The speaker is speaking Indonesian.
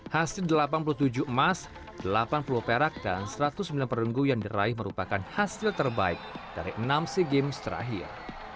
hasil delapan puluh tujuh emas delapan puluh perak dan satu ratus sembilan perunggu yang diraih merupakan hasil terbaik dari enam sea games terakhir